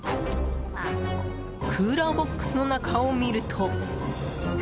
クーラーボックスの中を見ると。